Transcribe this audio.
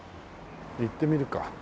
行ってみるか。